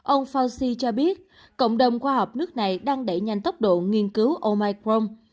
ông faushi cho biết cộng đồng khoa học nước này đang đẩy nhanh tốc độ nghiên cứu omicron